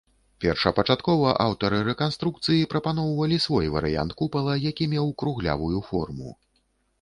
Першапачаткова аўтары рэканструкцыі прапаноўвалі свой варыянт купала, які меў круглявую форму.